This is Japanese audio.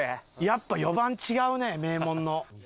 やっぱ４番違うね名門の。